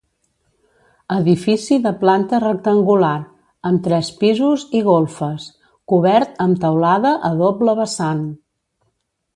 Edifici de planta rectangular amb tres pisos i golfes, cobert amb teulada a doble vessant.